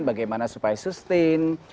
bagaimana supaya sustik